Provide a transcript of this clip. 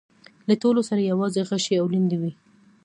له ټولو سره يواځې غشي او ليندۍ وې.